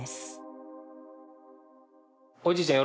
おじいちゃん